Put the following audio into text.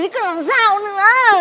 thế còn làm sao nữa